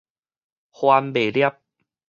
番麥粒